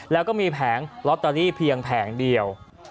แล้วก็มีแผงลอตเตอรี่เพียงแผงเดียว